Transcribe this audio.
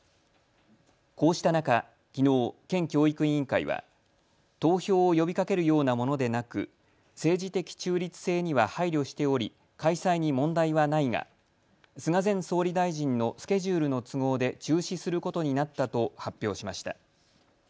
こうした中、きのう県教育委員会は投票を呼びかけるようなものでなく政治的中立性には配慮しており開催に問題はないが菅前総理大臣のスケジュールの都合で中止することになったと発表しました。